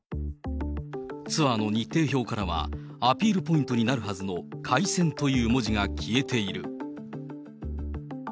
ツアーの日程表からは、アピールポイントになるはずの海鮮という文字が消えている。